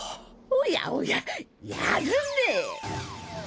おやおややるねぇ。